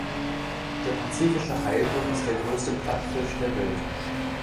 Der Pazifische Heilbutt ist der größte Plattfisch der Welt.